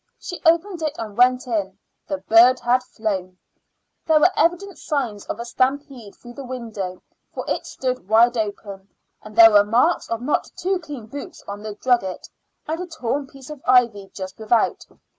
She opened it and went in. The bird had flown. There were evident signs of a stampede through the window, for it stood wide open, and there were marks of not too clean boots on the drugget, and a torn piece of ivy just without.